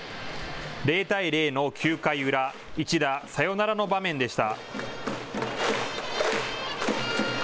０対０の９回裏、一打サヨナラの場面でした。